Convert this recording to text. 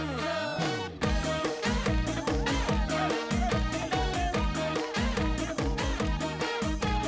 รอบ